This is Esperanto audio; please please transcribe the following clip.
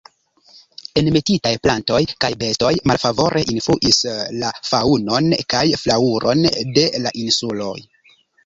Enmetitaj plantoj kaj bestoj malfavore influis la faŭnon kaj flaŭron de la insuloj.